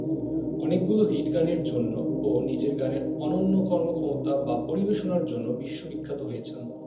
অনেকগুলো হিট গানের জন্য ও নিজের গানের অনন্য কর্মক্ষমতা বা পরিবেশনার জন্য বিশ্ব বিখ্যাত হয়েছেন।